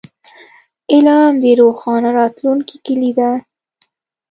علم د روښانه راتلونکي کیلي ده.